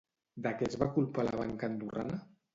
De què es va culpar la banca andorrana?